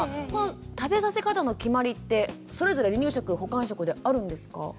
食べさせ方の決まりってそれぞれ離乳食・補完食であるんですか？